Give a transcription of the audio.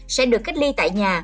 sẽ được cách ly tại nhà